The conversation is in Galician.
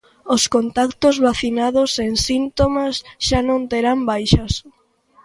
Os contactos vacinados sen síntomas xa non terán baixas.